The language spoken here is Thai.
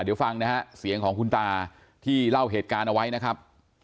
เดี๋ยวฟังนะฮะเสียงของคุณตาที่เล่าเหตุการณ์เอาไว้นะครับ